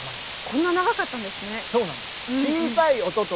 こんな長かったんですね。